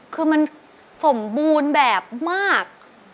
คือมันสมบูรณ์แบบมาก